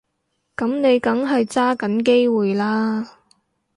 噉你梗係揸緊機會啦